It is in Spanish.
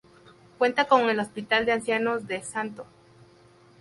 Cuenta con el hospital de ancianos de St.